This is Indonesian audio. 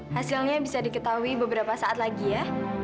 hasilnya bisa diketahui beberapa saat lagi ya